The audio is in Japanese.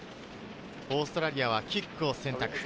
オーストラリアはキックを選択。